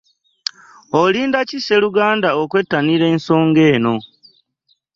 Olinda ki sseruganda okwettanira ensonga eno?